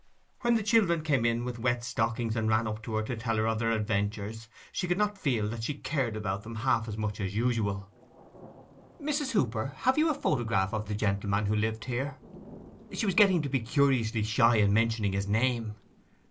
When the children came in with wet stockings, and ran up to her to tell her of their adventures, she could not feel that she cared about them half as much as usual. 'Mrs. Hooper, have you a photograph of—the gentleman who lived here?' She was getting to be curiously shy in mentioning his name.